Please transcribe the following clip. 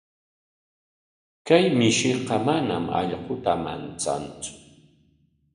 Kay mishiqa manam allquta manchantsu.